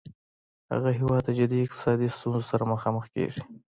هغه هیواد د جدي اقتصادي ستونځو سره مخامخ کیږي